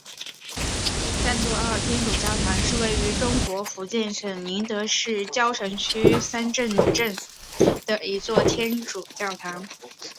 三都澳天主教堂是位于中国福建省宁德市蕉城区三都镇的一座天主教堂。